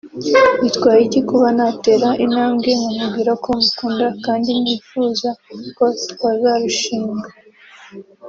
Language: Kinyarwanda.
Bitwaye iki kuba natera intambwe nkamubwira ko mukunda kandi nifuza ko twazarushinga